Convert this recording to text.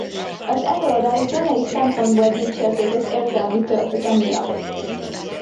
Az előadást zenei szempontból dicsérték az érzelmi töltete miatt.